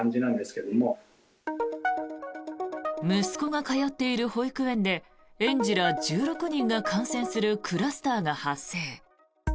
息子が通っている保育園で園児ら１６人が感染するクラスターが発生。